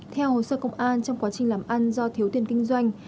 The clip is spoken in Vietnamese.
theo hồ sơ công an trong quá trình làm ăn do thiếu tiền kinh doanh